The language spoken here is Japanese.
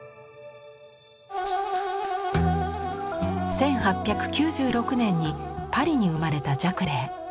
１８９６年にパリに生まれたジャクレー。